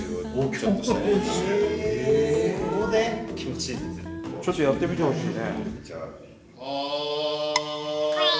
ちょっとやってみてほしいね。